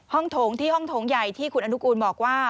โถงที่ห้องโถงใหญ่ที่คุณอนุกูลบอกว่า